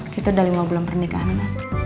kita udah lima bulan pernikahan